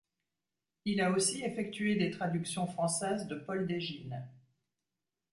Il a aussi effectué des traductions françaises de Paul d'Égine.